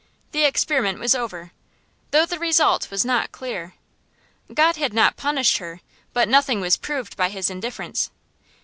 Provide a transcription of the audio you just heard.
The experiment was over, though the result was not clear. God had not punished her, but nothing was proved by His indifference.